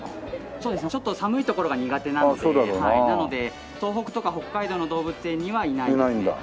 そうですねちょっと寒い所が苦手なのでなので東北とか北海道の動物園にはいないですね。